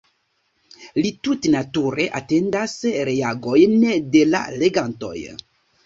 Li tute nature atendas reagojn de la legantoj.